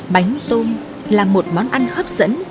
bánh tôm là một món ăn hấp dẫn